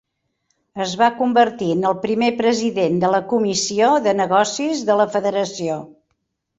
Es va convertir en el primer president de la Comissió de Negocis de la federació.